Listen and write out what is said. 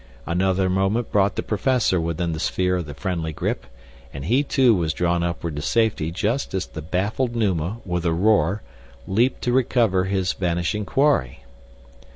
Another moment brought the professor within the sphere of the friendly grip, and he, too, was drawn upward to safety just as the baffled Numa, with a roar, leaped to recover his vanishing quarry.